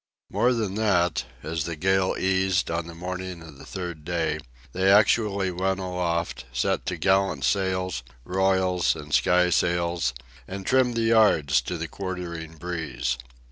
More than that, as the gale eased on the morning of the third day, they actually went aloft, set top gallant sails, royals, and skysails, and trimmed the yards to the quartering breeze.